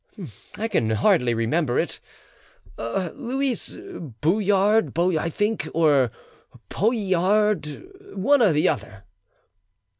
"I can hardly remember it. Louise Boyard, I think, or Polliard, one or the other."